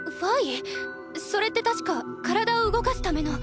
それってたしか体を動かすための。